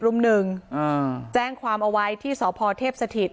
๑๐รุ่ม๑แจ้งความเอาไว้ที่สพเทพสถิติ